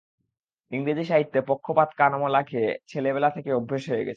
ইংরেজি সাহিত্যে পক্ষপাত কান-মলা খেয়ে খেয়ে ছেলেবেলা থেকে অভ্যেস হয়ে গেছে।